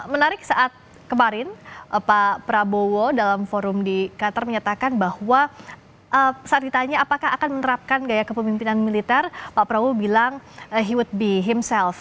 menarik saat kemarin pak prabowo dalam forum di qatar menyatakan bahwa saat ditanya apakah akan menerapkan gaya kepemimpinan militer pak prabowo bilang hewot be himself